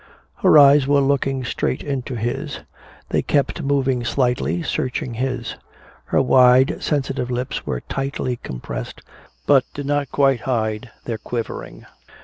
Her eyes were looking straight into his. They kept moving slightly, searching his. Her wide, sensitive lips were tightly compressed, but did not quite hide their quivering.